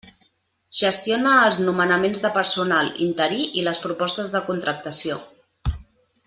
Gestiona els nomenaments de personal interí i les propostes de contractació.